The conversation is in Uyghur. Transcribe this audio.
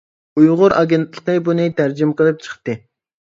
ئۇيغۇر ئاگېنتلىقى بۇنى تەرجىمە قىلىپ چىقتى.